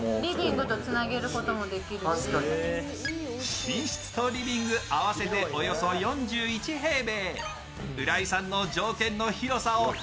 寝室とリビング合わせておよそ４１平米。